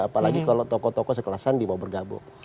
apalagi kalau toko toko sekelas sandi mau bergabung